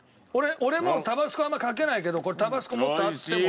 俺もタバスコあんまかけないけどこれタバスコもっとあってもいい。